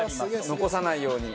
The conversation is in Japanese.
残さないように。